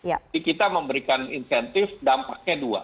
jadi kita memberikan insentif dampaknya dua